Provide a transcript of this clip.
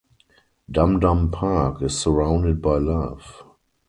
Dum Dum Park is surrounded by love.